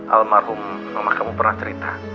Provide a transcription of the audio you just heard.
almarhum mama kamu pernah cerita